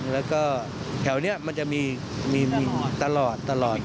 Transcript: แล้วก็แถวนี้มันจะมีตลอดตลอด